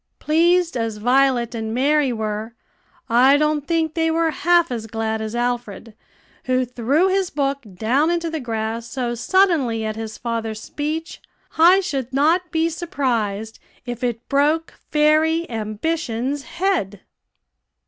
Pleased as Violet and Mary were, I don't think they were half as glad as Alfred, who threw his book down into the grass so suddenly at his father's speech, I should not be surprised if it broke fairy Ambition's head.